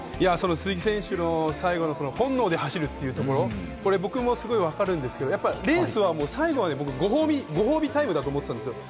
鈴木選手の最後の本能で走るところ、僕もすごくわかるんですが、レースは最後はご褒美タイムだと思ってたんですよ。